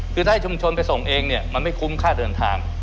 คือถ้าให้ชุมชนไปส่งเองเนี่ยมันไม่คุ้มค่าเดินทาง